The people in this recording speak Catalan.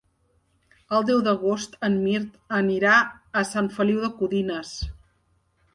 El deu d'agost en Mirt anirà a Sant Feliu de Codines.